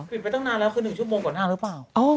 ไปตั้งนานแล้วคือ๑ชั่วโมงกว่าหน้าหรือเปล่า